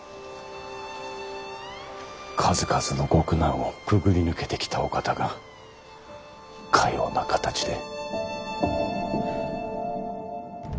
数々のご苦難をくぐり抜けてきたお方がかような形で。